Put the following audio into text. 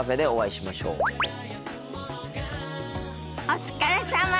お疲れさま。